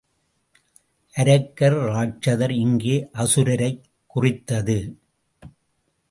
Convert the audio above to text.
அரக்கர் ராட்சதர் இங்கே அசுரரைக் குறித்தது.